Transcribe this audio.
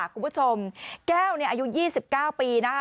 คุณผู้ชมแก้วอายุ๒๙ปีนะคะ